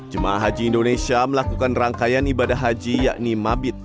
jemaah haji indonesia melakukan rangkaian ibadah haji yakni mabit